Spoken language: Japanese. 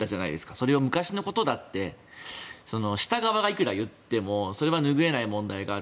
それを、昔のことでした側がいくら言ってもそれは拭えない問題がある。